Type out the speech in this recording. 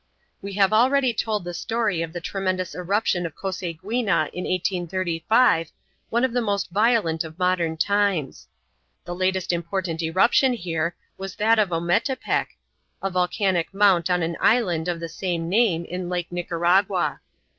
We have already told the story of the tremendous eruption of Coseguina in 1835, one of the most violent of modern times. The latest important eruption here was that of Ometepec, a volcanic mount on an island of the same name in Lake Nicaragua.